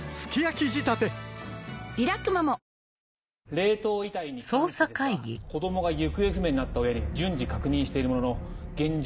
冷凍遺体に関してですが子供が行方不明になった親に順次確認しているものの現状